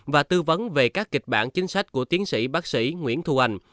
và tư vấn về các kịch bản chính sách của tiến sĩ bác sĩ nguyễn thu anh